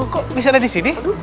kok bisa ada disini